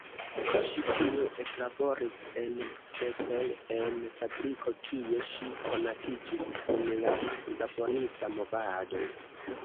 Ŝi frue eklaboris en Csepel en fabriko, kie ŝi konatiĝis kun la laborista movado.